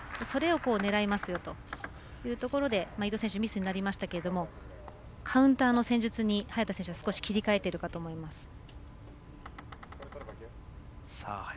それを狙いますよというところで伊藤選手、ミスになりましたがカウンターの戦術に早田選手は切り替えているかと思います。